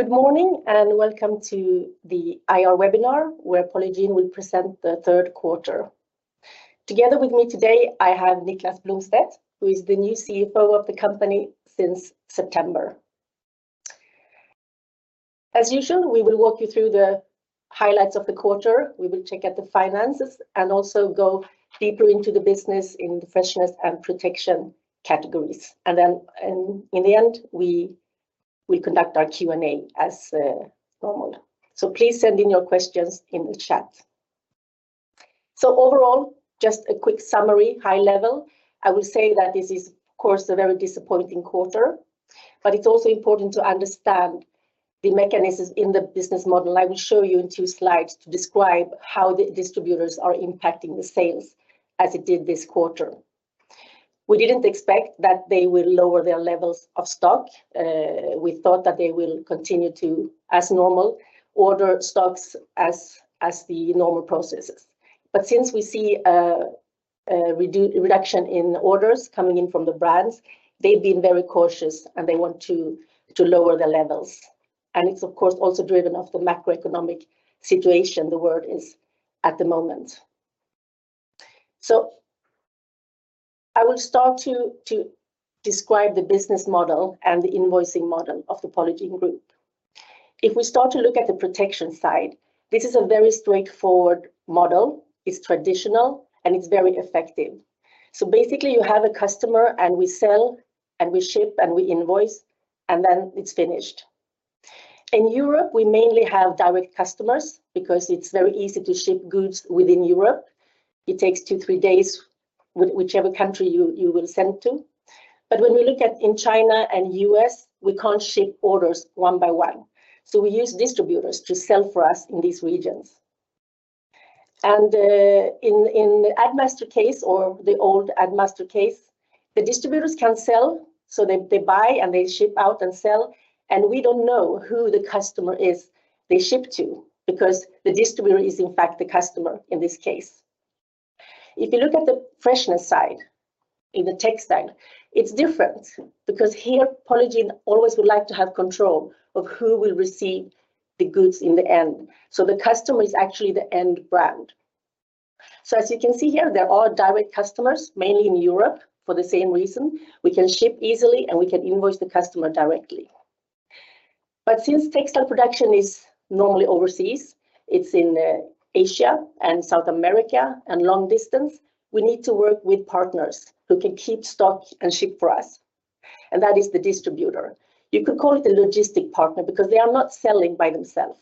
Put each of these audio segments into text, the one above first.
Good morning, and welcome to the IR webinar, where Polygiene will present the third quarter. Together with me today, I have Niklas Blomstedt, who is the new CFO of the company since September. As usual, we will walk you through the highlights of the quarter. We will check out the finances and also go deeper into the business in the freshness and protection categories. In the end, we will conduct our Q&A as normal. Please send in your questions in the chat. Overall, just a quick summary, high level. I will say that this is, of course, a very disappointing quarter, but it's also important to understand the mechanisms in the business model. I will show you in two slides to describe how the distributors are impacting the sales as it did this quarter. We didn't expect that they will lower their levels of stock. We thought that they will continue to, as normal, order stocks as the normal processes. Since we see a reduction in orders coming in from the brands, they've been very cautious, and they want to lower the levels. It's of course also driven by the macroeconomic situation the world is at the moment. I will start to describe the business model and the invoicing model of the Polygiene Group. If we start to look at the protection side, this is a very straightforward model. It's traditional, and it's very effective. Basically, you have a customer, and we sell, and we ship, and we invoice, and then it's finished. In Europe, we mainly have direct customers because it's very easy to ship goods within Europe. It takes two to three days with whichever country you will send to. When we look at in China and U.S., we can't ship orders one by one, so we use distributors to sell for us in these regions. In the Addmaster case or the old Addmaster case, the distributors can sell, so they buy, and they ship out and sell. We don't know who the customer is they ship to because the distributor is, in fact, the customer in this case. If you look at the freshness side, in the textile, it's different because here Polygiene always would like to have control of who will receive the goods in the end, so the customer is actually the end brand. As you can see here, they're all direct customers, mainly in Europe, for the same reason. We can ship easily, and we can invoice the customer directly. Since textile production is normally overseas, it's in Asia and South America and long distance, we need to work with partners who can keep stock and ship for us, and that is the distributor. You could call it a logistic partner because they are not selling by themselves.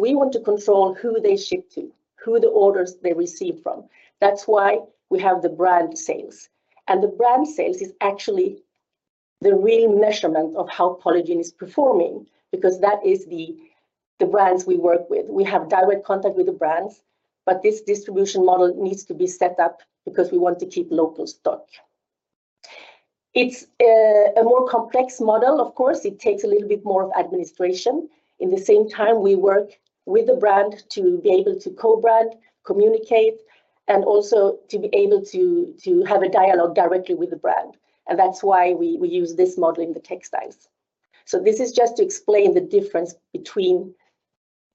We want to control who they ship to, who the orders they receive from. That's why we have the brand sales, and the brand sales is actually the real measurement of how Polygiene is performing because that is the brands we work with. We have direct contact with the brands, but this distribution model needs to be set up because we want to keep local stock. It's a more complex model, of course. It takes a little bit more of administration. In the same time, we work with the brand to be able to co-brand, communicate, and also to be able to have a dialogue directly with the brand, and that's why we use this model in the textiles. This is just to explain the difference between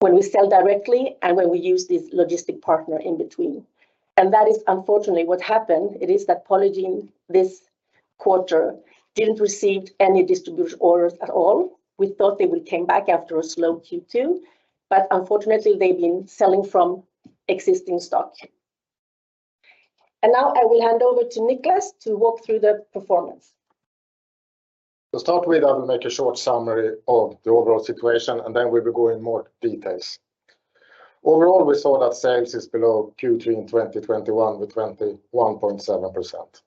when we sell directly and when we use this logistic partner in between. That is unfortunately what happened. It is that Polygiene this quarter didn't receive any distribution orders at all. We thought they will came back after a slow Q2, but unfortunately, they've been selling from existing stock. Now I will hand over to Niklas to walk through the performance. To start with, I will make a short summary of the overall situation, and then we will go in more details. Overall, we saw that sales is below Q3 in 2021 with 21.7%.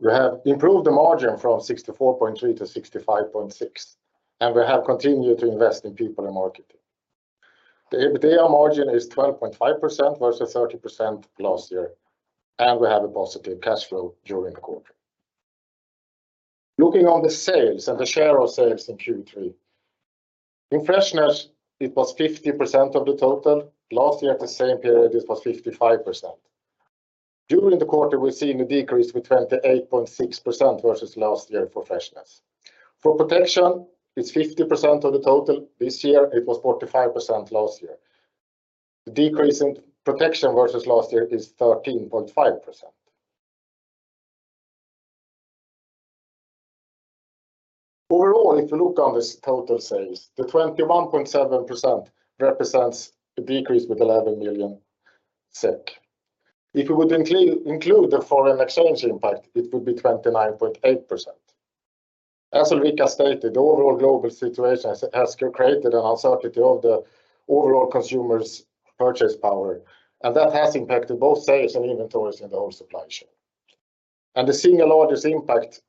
We have improved the margin from 64.3% to 65.6%, and we have continued to invest in people and marketing. The EBITDA margin is 12.5% versus 30% last year, and we have a positive cash flow during the quarter. Looking on the sales and the share of sales in Q3, in freshness, it was 50% of the total. Last year, at the same period, it was 55%. During the quarter, we're seeing a decrease with 28.6% versus last year for freshness. For protection, it's 50% of the total this year. It was 45% last year. The decrease in protection versus last year is 13.5%. Overall, if you look on this total sales, the 21.7% represents a decrease with 11 million. If we would include the foreign exchange impact, it would be 29.8%. As Ulrika stated, the overall global situation has created an uncertainty of the overall consumers' purchase power, and that has impacted both sales and inventories in the whole supply chain. The single largest impact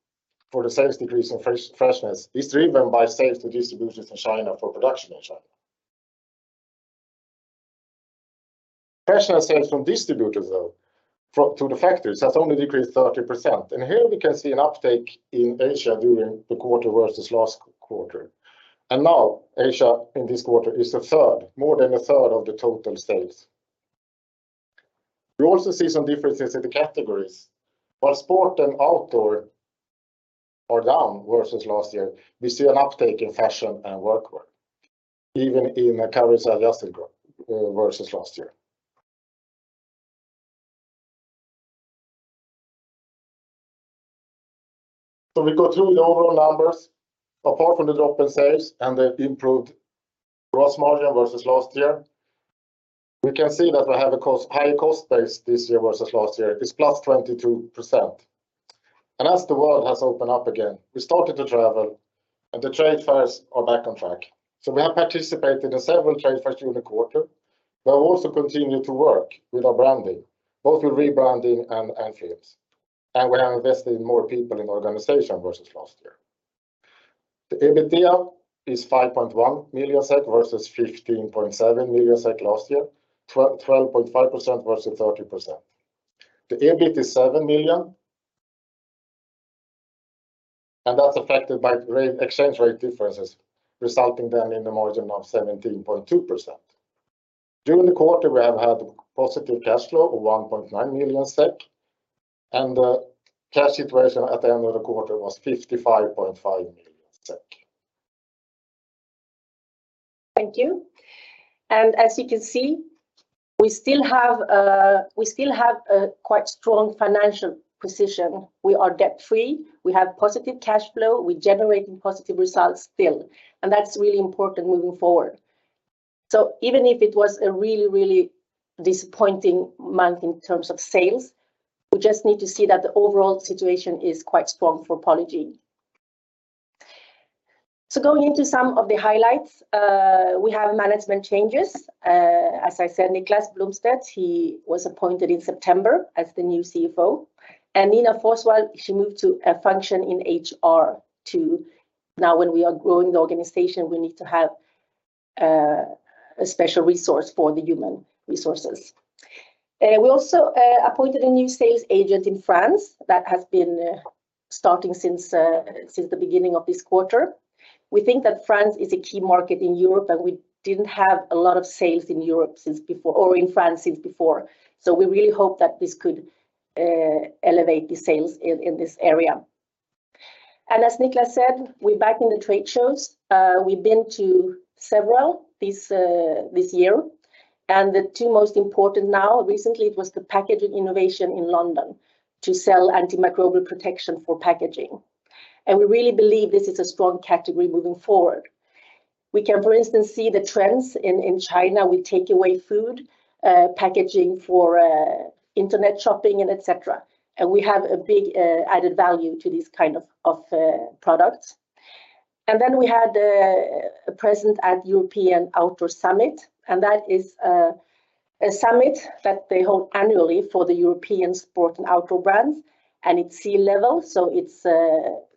for the sales decrease in freshness is driven by sales to distributors in China for production in China. Personal sales from distributors, though, to the factories has only decreased 30%, and here we can see an uptake in Asia during the quarter versus last quarter. Now Asia in this quarter is a third, more than a third of the total sales. We also see some differences in the categories. While sport and outdoor are down versus last year, we see an uptake in fashion and workwear, even in a currency-adjusted growth versus last year. We go through the overall numbers. Apart from the drop in sales and the improved gross margin versus last year, we can see that we have a high cost base this year versus last year. It's +22%. As the world has opened up again, we started to travel, and the trade fairs are back on track. We have participated in several trade fairs during the quarter. We have also continued to work with our branding, both with rebranding and films. We have invested in more people in organization versus last year. The EBITDA is 5.1 million SEK versus 15.7 million SEK last year, 12.5% versus 30%. The EBIT is 7 million, and that's affected by FX, exchange rate differences, resulting then in a margin of 17.2%. During the quarter, we have had positive cash flow of 1.9 million SEK, and the cash situation at the end of the quarter was 55.5 million SEK. Thank you. As you can see, we still have a quite strong financial position. We are debt-free. We have positive cash flow. We're generating positive results still, and that's really important moving forward. Even if it was a really, really disappointing month in terms of sales, we just need to see that the overall situation is quite strong for Polygiene. Going into some of the highlights, we have management changes. As I said, Niklas Blomstedt, he was appointed in September as the new CFO. Nina Forsvall, she moved to a function in HR. Now when we are growing the organization, we need to have a special resource for the human resources. We also appointed a new sales agent in France that has been starting since the beginning of this quarter. We think that France is a key market in Europe, and we didn't have a lot of sales in Europe since before, or in France since before. We really hope that this could elevate the sales in this area. As Niklas said, we're back in the trade shows. We've been to several this year, and the two most important now recently was the London Packaging Week to sell antimicrobial protection for packaging. We really believe this is a strong category moving forward. We can, for instance, see the trends in China with take-away food packaging for internet shopping and et cetera. We have a big added value to these kind of products. We had a presence at European Outdoor Summit, that is a summit that they hold annually for the European sport and outdoor brands, it's C-level,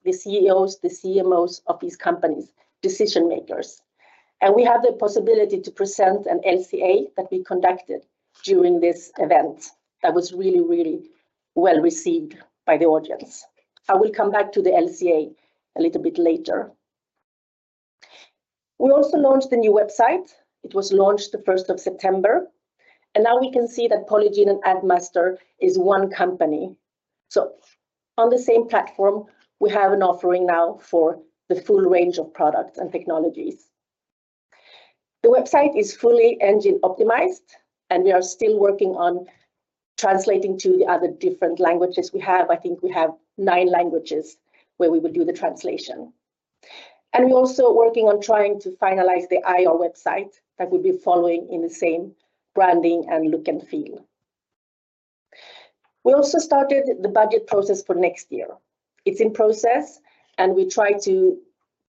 the CEOs, the CMOs of these companies, decision-makers. We had the possibility to present an LCA that we conducted during this event that was really, really well received by the audience. I will come back to the LCA a little bit later. We also launched the new website. It was launched the first of September. Now we can see that Polygiene and Addmaster is one company. On the same platform, we have an offering now for the full range of products and technologies. The website is fully engine optimized, and we are still working on translating to the other different languages we have. I think we have nine languages where we will do the translation. We're also working on trying to finalize the NIO website that will be following in the same branding and look and feel. We also started the budget process for next year. It's in process, and we try to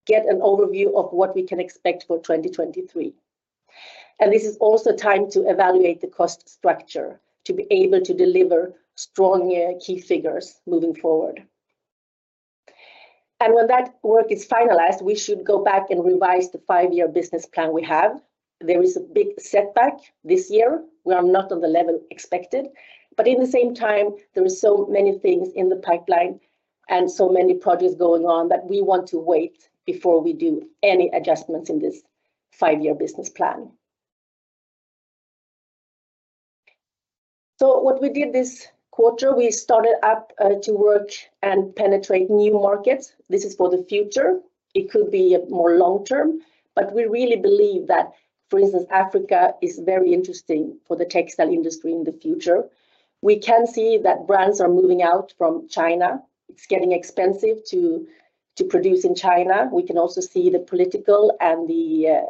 get an overview of what we can expect for 2023. This is also time to evaluate the cost structure to be able to deliver strong key figures moving forward. When that work is finalized, we should go back and revise the five-year business plan we have. There is a big setback this year. We are not on the level expected. At the same time, there are so many things in the pipeline and so many projects going on that we want to wait before we do any adjustments in this five-year business plan. What we did this quarter, we started up to work and penetrate new markets. This is for the future. It could be more long term, but we really believe that, for instance, Africa is very interesting for the textile industry in the future. We can see that brands are moving out from China. It's getting expensive to produce in China. We can also see the political and the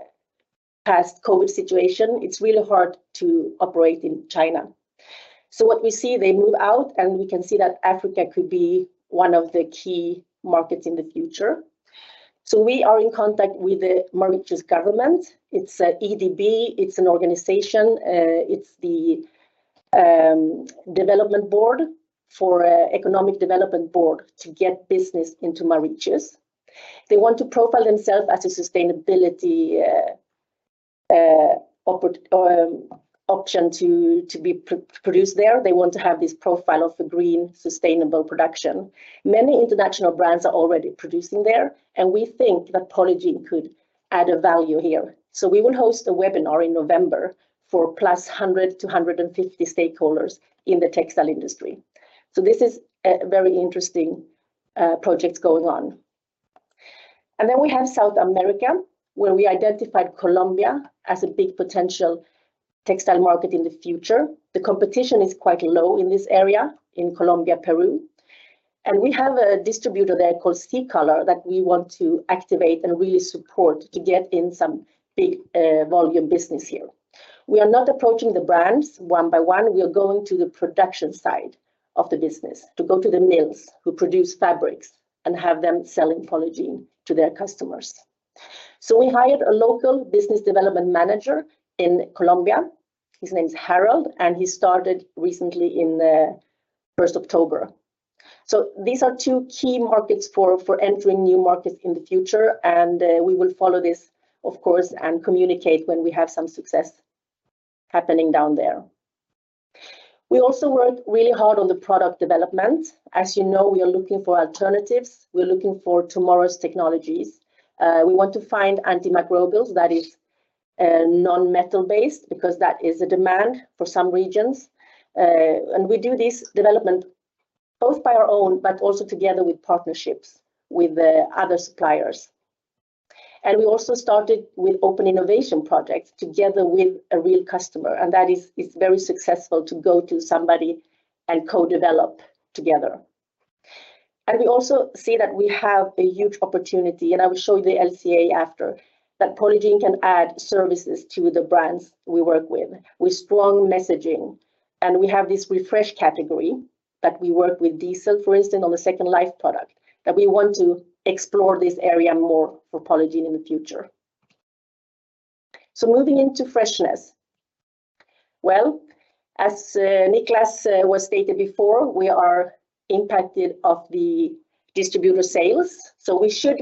post-COVID situation. It's really hard to operate in China. What we see, they move out, and we can see that Africa could be one of the key markets in the future. We are in contact with the Mauritius government. It's EDB. It's an organization. It's the Economic Development Board to get business into Mauritius. They want to profile themselves as a sustainability option to be produced there. They want to have this profile of a green, sustainable production. Many international brands are already producing there, and we think that Polygiene could add a value here. We will host a webinar in November for 100 to 150 stakeholders in the textile industry. This is a very interesting project going on. We have South America, where we identified Colombia as a big potential textile market in the future. The competition is quite low in this area, in Colombia, Peru. We have a distributor there called C-COLOR that we want to activate and really support to get in some big volume business here. We are not approaching the brands one by one. We are going to the production side of the business, to go to the mills who produce fabrics and have them selling Polygiene to their customers. We hired a local business development manager in Colombia. His name is Harold, and he started recently in 1st October. These are two key markets for entering new markets in the future. We will follow this of course and communicate when we have some success happening down there. We also worked really hard on the product development. As you know, we are looking for alternatives. We're looking for tomorrow's technologies. We want to find antimicrobials that is non-metal based because that is a demand for some regions. We do this development both by our own, but also together with partnerships with the other suppliers. We also started with open innovation projects together with a real customer, and that is very successful to go to somebody and co-develop together. We also see that we have a huge opportunity, and I will show you the LCA after, that Polygiene can add services to the brands we work with strong messaging. We have this refresh category that we work with Diesel, for instance, on the second life product, that we want to explore this area more for Polygiene in the future. Moving into freshness. Well, as Niklas was stated before, we are impacted by the distributor sales. We should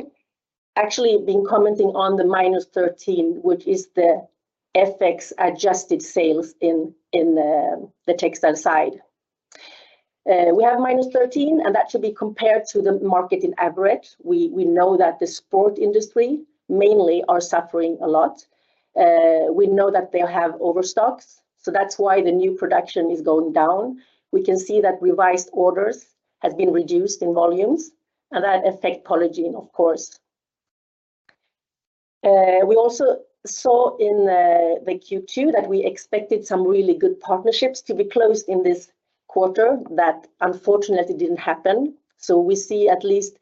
actually been commenting on the -13%, which is the FX adjusted sales in the textile side. We have -13%, and that should be compared to the market on average. We know that the sport industry mainly are suffering a lot. We know that they have overstocks, so that's why the new production is going down. We can see that revised orders has been reduced in volumes and that affect Polygiene of course. We also saw in the Q2 that we expected some really good partnerships to be closed in this quarter that unfortunately didn't happen. We see at least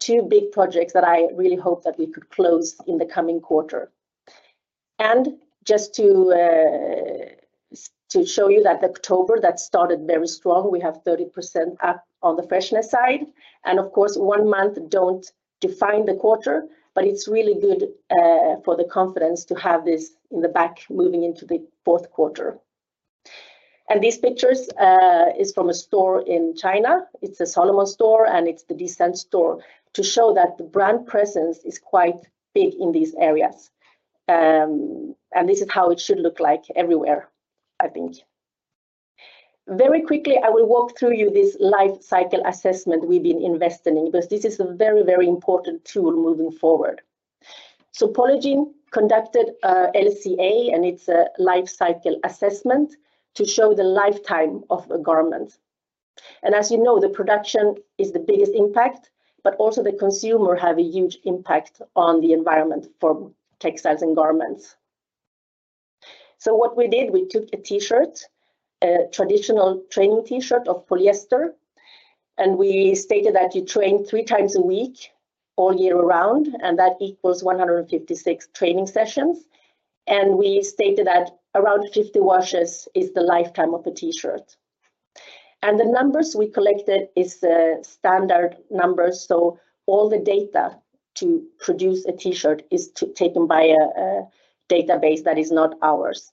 two big projects that I really hope that we could close in the coming quarter. Just to show you that October that started very strong, we have 30% up on the freshness side. Of course one month don't define the quarter, but it's really good for the confidence to have this in the bank moving into the fourth quarter. These pictures are from a store in China. It's a Salomon store and it's the Descente store to show that the brand presence is quite big in these areas. This is how it should look like everywhere, I think. Very quickly, I will walk you through this life cycle assessment we've been investing in because this is a very, very important tool moving forward. Polygiene conducted a LCA, and it's a life cycle assessment to show the lifetime of a garment. As you know, the production is the biggest impact, but also the consumer have a huge impact on the environment for textiles and garments. What we did, we took a T-shirt, a traditional training T-shirt of polyester, and we stated that you train three times a week, all year round, and that equals 156 training sessions. We stated that around 50 washes is the lifetime of a T-shirt. The numbers we collected is the standard numbers. All the data to produce a T-shirt is taken by a database that is not ours.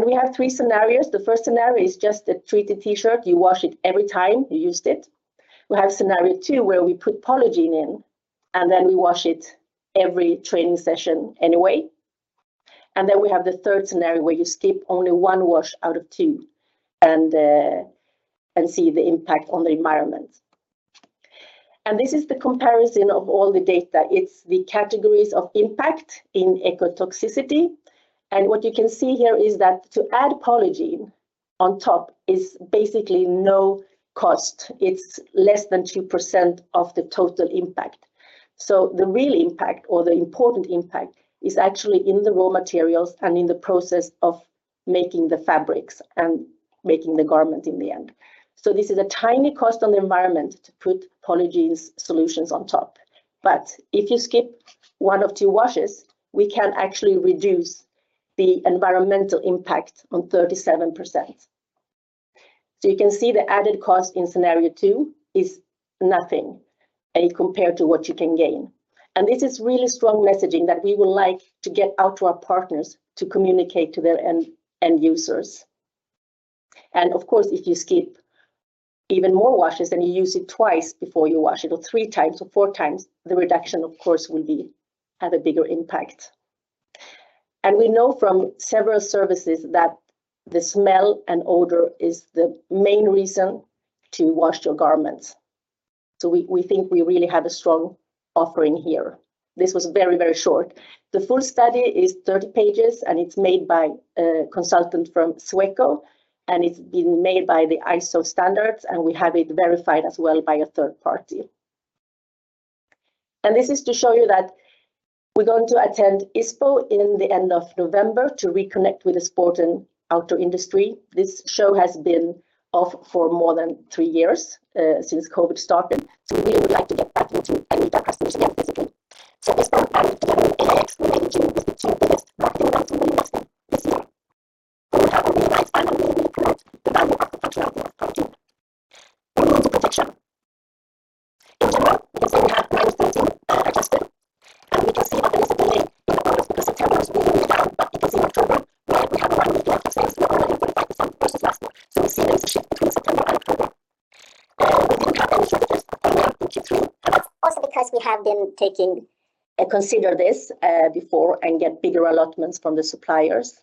We have three scenarios. The first scenario is just a treated T-shirt. You wash it every time you used it. We have scenario two where we put Polygiene in, and then we wash it every training session anyway. We have the third scenario where you skip only one wash out of two and see the impact on the environment. This is the comparison of all the data. It's the categories of impact in ecotoxicity. What you can see here is that to add Polygiene on top is basically no cost. It's less than 2% of the total impact. The real impact or the important impact is actually in the raw materials and in the process of making the fabrics and making the garment in the end. This is a tiny cost on the environment to put Polygiene's solutions on top. If you skip one of two washes, we can actually reduce the environmental impact by 37%. You can see the added cost in scenario two is nothing, compared to what you can gain. This is really strong messaging that we would like to get out to our partners to communicate to their end users. Of course, if you skip even more washes and you use it twice before you wash it, or 3x or 4x, the reduction of course will have a bigger impact. We know from several services that the smell and odor is the main reason to wash your garments. We think we really have a strong offering here. This was very, very short. The full study is 30 pages, and it's made by a consultant from Sweco, and it's been made by the ISO standards, and we have it verified as well by a third party. This is to show you that have been taking into consideration this before and get bigger allotments from the suppliers.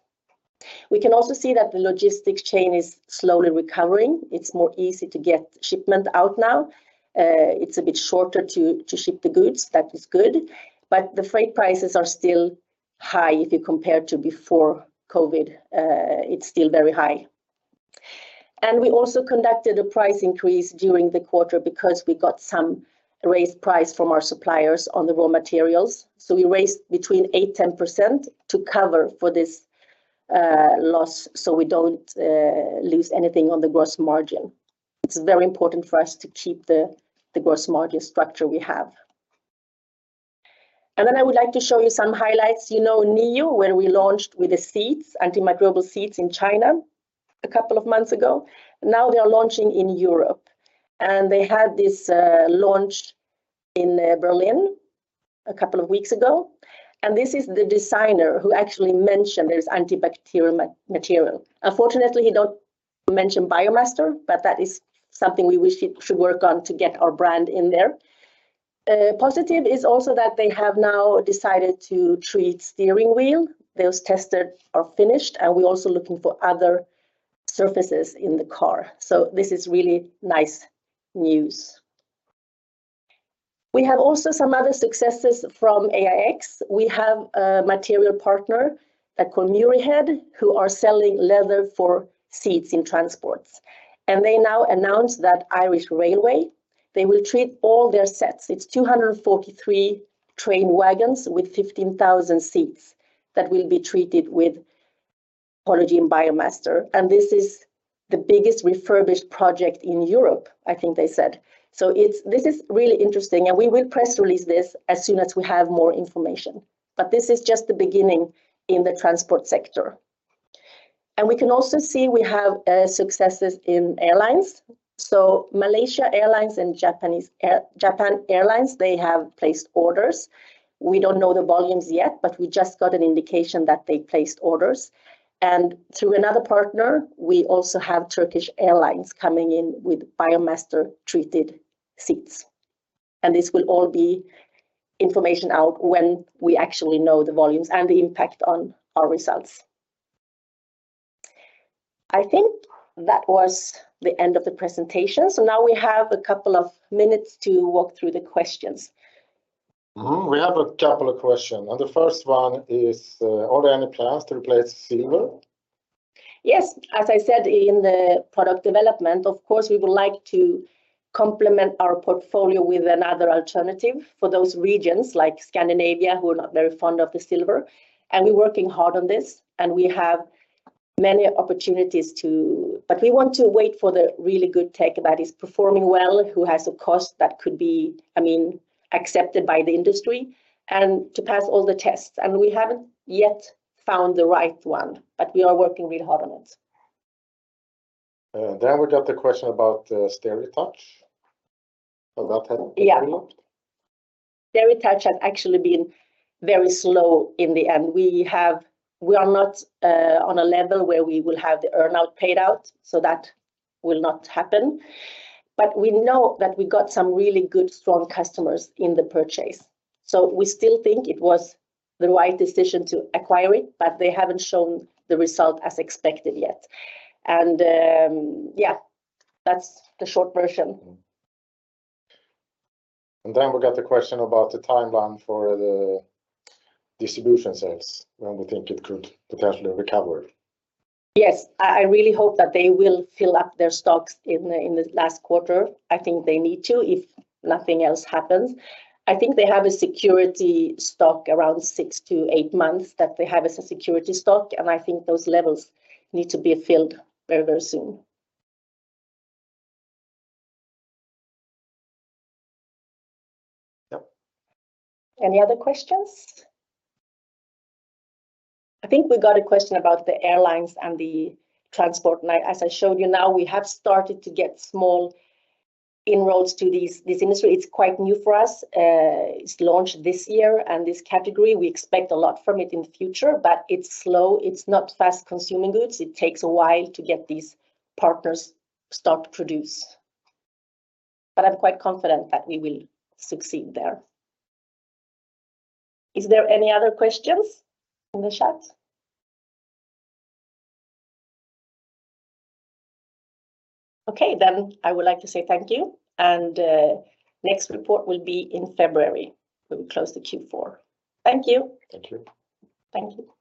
We can also see that the logistics chain is slowly recovering. It's more easy to get shipment out now. It's a bit shorter to ship the goods. That is good. The freight prices are still high if you compare to before COVID. It's still very high. We also conducted a price increase during the quarter because we got some raised price from our suppliers on the raw materials. We raised between 8%-10% to cover for this loss, so we don't lose anything on the gross margin. It's very important for us to keep the gross margin structure we have. I would like to show you some highlights. You know, NIO, when we launched with the seats, antimicrobial seats in China a couple of months ago. Now they are launching in Europe, and they had this launch in Berlin a couple of weeks ago. This is the designer who actually mentioned this antibacterial material. Unfortunately, he don't mention Biomaster, but that is something we wish he should work on to get our brand in there. Positive is also that they have now decided to treat steering wheel. Those tested are finished, and we're also looking for other surfaces in the car. This is really nice news. We have also some other successes from AIX. We have a material partner called Muirhead who are selling leather for seats in transports. They now announce that Irish Rail, they will treat all their seats. It's 243 train wagons with 15,000 seats that will be treated with Polygiene Biomaster, and this is the biggest refurbished project in Europe, I think they said. It's. This is really interesting, and we will press release this as soon as we have more information. This is just the beginning in the transport sector. We can also see we have successes in airlines. Malaysia Airlines and Japan Airlines, they have placed orders. We don't know the volumes yet, but we just got an indication that they placed orders. Through another partner, we also have Turkish Airlines coming in with Biomaster-treated seats. This will all be information out when we actually know the volumes and the impact on our results. I think that was the end of the presentation. Now we have a couple of minutes to walk through the questions. Mm-hmm. We have a couple of questions, and the first one is, "Are there any plans to replace silver? Yes. As I said in the product development, of course, we would like to complement our portfolio with another alternative for those regions like Scandinavia who are not very fond of the silver, and we're working hard on this, and we have many opportunities. We want to wait for the really good tech that is performing well, who has a cost that could be, I mean, accepted by the industry and to pass all the tests. We haven't yet found the right one, but we are working really hard on it. We got the question about SteriTouch. Yeah Being removed. SteriTouch has actually been very slow in the end. We are not on a level where we will have the earn-out paid out, so that will not happen. We know that we got some really good, strong customers in the purchase. We still think it was the right decision to acquire it, but they haven't shown the result as expected yet. Yeah, that's the short version. We got the question about the timeline for the distribution sales, when we think it could potentially recover. Yes. I really hope that they will fill up their stocks in the last quarter. I think they need to if nothing else happens. I think they have a security stock around six to eight months that they have as a security stock, and I think those levels need to be filled very, very soon. Yep. Any other questions? I think we got a question about the airlines and the transport. I, as I showed you now, we have started to get small inroads to these, this industry. It's quite new for us. It's launched this year and this category. We expect a lot from it in the future, but it's slow. It's not fast-moving consumer goods. It takes a while to get these partners start produce. I'm quite confident that we will succeed there. Is there any other questions in the chat? Okay. I would like to say thank you, and next report will be in February when we close the Q4. Thank you. Thank you. Thank you.